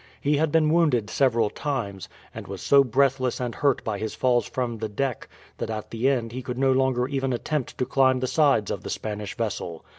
He had been wounded several times, and was so breathless and hurt by his falls from the deck that at the end he could no longer even attempt to climb the sides of the Spanish vessel.